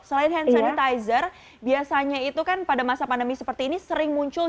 selain hand sanitizer biasanya itu kan pada masa pandemi seperti ini sering muncul